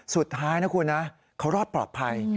สุดท้ายนะคุณนะเขารอดปลอดภัย